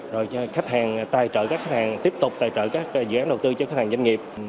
rồi cho khách hàng tài trợ các khách hàng tiếp tục tài trợ các dự án đầu tư cho khách hàng doanh nghiệp